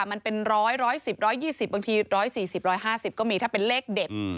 มันเป็น๑๑๐๑๒๐บางที๑๔๐๑๕๐ก็มีถ้าเป็นเลขเด็ด